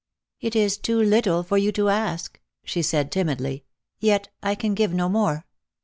" It is too little for you to ask," she said timidly; " yet I can give no more.